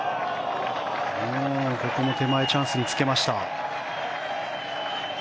ここも手前チャンスにつけました。